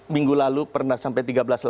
minggu lalu pernah sampai tiga belas delapan